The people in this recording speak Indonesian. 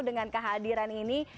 dengan kehadiran ini